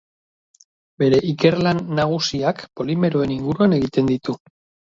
Bere ikerlan nagusiak polimeroen inguruan egin ditu.